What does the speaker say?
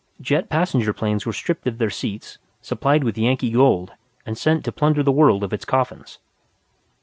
Jet passenger planes were stripped of their seats, supplied with Yankee gold, and sent to plunder the world of its coffins.